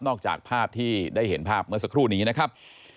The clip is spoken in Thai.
จากภาพที่ได้เห็นภาพเมื่อสักครู่นี้นะครับ